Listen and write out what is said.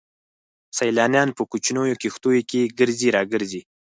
سيلانيان په کوچنيو کښتيو کې ګرځي را ګرځي.